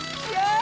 あ！